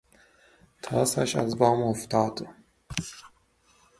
طاسش از بام افتاد